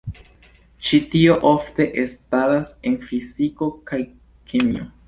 Ĉi tio ofte estadas en fiziko kaj kemio.